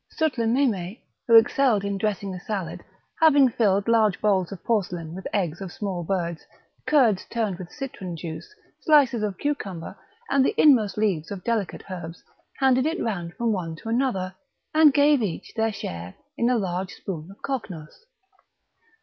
Sutlememe, who excelled in dressing a salad, having filled large bowls of porcelain with eggs of small birds, curds turned with citron juice, slices of cucumber, and the inmost leaves of delicate herbs, handed it round from one to another, and gave each their shares in a large spoon of Cocknos.